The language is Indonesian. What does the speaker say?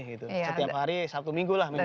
setiap hari sabtu minggu lah minggu